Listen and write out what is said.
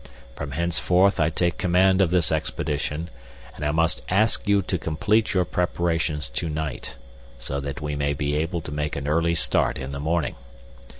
From henceforth I take command of this expedition, and I must ask you to complete your preparations to night, so that we may be able to make an early start in the morning.